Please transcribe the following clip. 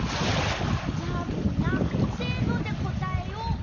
じゃあみんな「せの」でこたえよう。